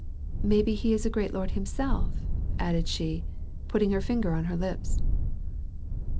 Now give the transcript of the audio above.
"Maybe he is a great lord himself?" added she, putting her finger on her lips.